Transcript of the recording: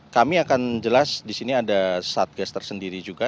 kami akan jelas di sini ada satgas tersendiri juga